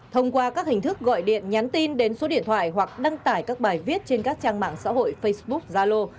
thông qua các hình thức gọi điện nhắn tin đến số điện thoại hoặc đăng tải các bài viết trên các trang mạng xã hội facebook zalo